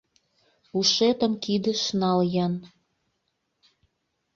Ушетым «кидыш» нал-ян.